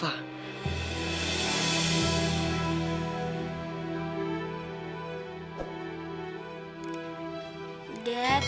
aku aku bener bener gak ngerti